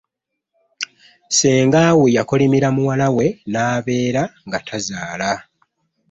Senga we yakolimira muwalawe n'abera nga tazaala .